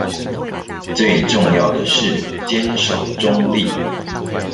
最重要的是堅守中立